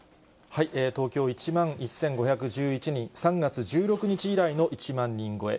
東京、１万１５１１人、３月１６日以来の１万人超え。